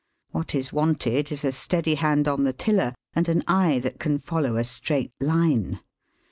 "What is wanted is a steady hand on the tiller, and an eye that can follow a straight line.